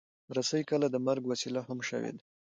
رسۍ کله د مرګ وسیله هم شوې ده.